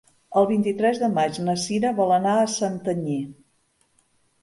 El vint-i-tres de maig na Cira vol anar a Santanyí.